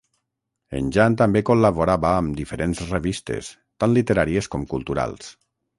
En Jan també col·laborava amb diferents revistes, tant literàries com culturals.